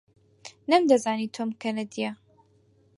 نەمدەزانی تۆم کەنەدییە.